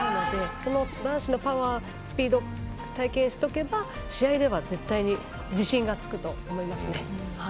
その男子のパワー、スピードを体験しておけば試合では絶対に自信がつくと思います。